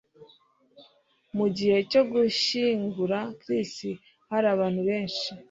Mu gihe cyo gushyingura Chris hari abantu benshi